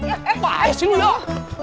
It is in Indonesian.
eh apaan sih lo yuk